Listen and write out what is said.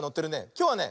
きょうはね